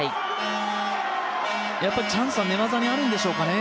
やっぱりチャンスは寝技にあるんでしょうかね。